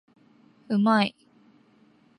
うまい